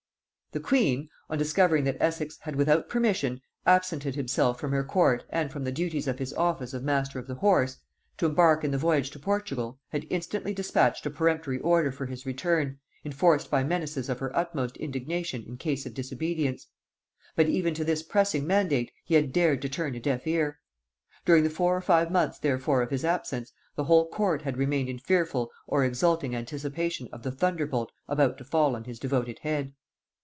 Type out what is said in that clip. The queen, on discovering that Essex had without permission absented himself from her court and from the duties of his office of master of the horse, to embark in the voyage to Portugal, had instantly dispatched a peremptory order for his return, enforced by menaces of her utmost indignation in case of disobedience; but even to this pressing mandate he had dared to turn a deaf ear. During the four or five months therefore of his absence, the whole court had remained in fearful or exulting anticipation of the thunderbolt about to fall on his devoted head.